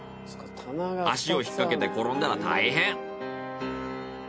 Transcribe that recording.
足を引っかけて転んだら大変。